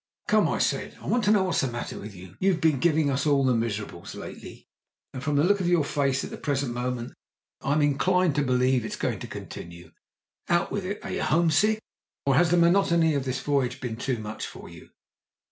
"Come," I said, "I want to know what's the matter with you. You've been giving us all the miserables lately, and from the look of your face at the present moment I'm inclined to believe it's going to continue. Out with it! Are you homesick, or has the monotony of this voyage been too much for you?"